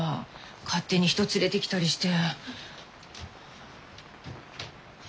勝手に人連れてきたりして。